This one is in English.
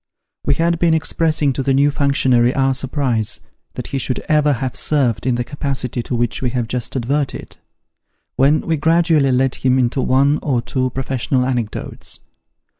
We had been expressing to the new functionary our surprise that ho should ever have served in the capacity to which we have just adverted, when we gradually led him into one or two professional anecdotes.